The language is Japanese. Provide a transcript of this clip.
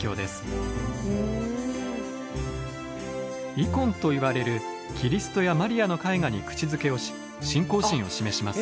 イコンといわれるキリストやマリアの絵画に口づけをし信仰心を示します。